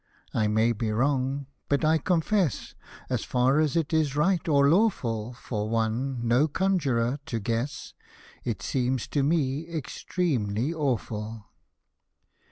I may be wrong, but I confess — As far as it is right or lawful For one, no conjurer, to guess — It seems to me extremely awful.